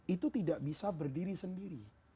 itu tidak bisa berdiri sendiri